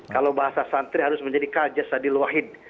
kalau bahasa santri harus menjadi kaljasadil wahid